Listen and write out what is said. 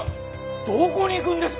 どこに行くんですか？